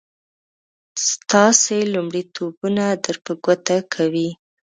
ستاسې لومړيتوبونه در په ګوته کوي.